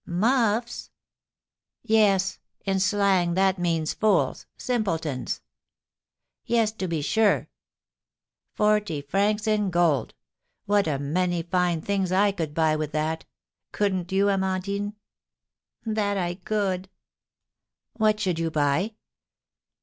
'" "Muffs?" "Yes; in slang that means fools, simpletons." "Yes, to be sure." "Forty francs in gold! What a many fine things I could buy with that! Couldn't you, Amandine?" "That I could." "What should you buy?"